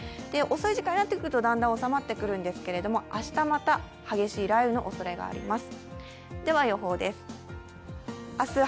遅い時間になってくるとだんだんおさまってくるんですけれども、明日また激しい雷雨のおそれがあります。